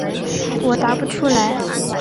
我答不出来。